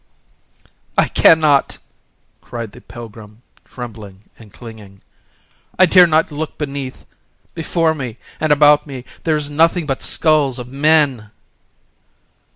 "I cannot," cried the pilgrim, trembling and clinging; "I dare not look beneath! Before me and about me there is nothing but skulls of men."